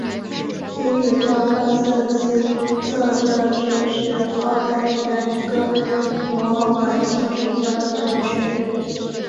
天主教巴瑟斯特教区是澳大利亚一个罗马天主教教区。